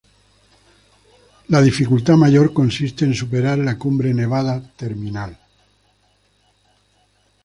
La dificultad mayor consiste en superar la cumbre nevada terminal.